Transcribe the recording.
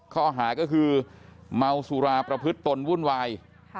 ข้อหาก็คือเมาสุราประพฤติตนวุ่นวาย